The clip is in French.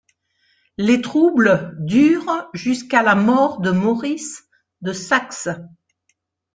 Les troubles durent jusqu'à la mort de Maurice de Saxe.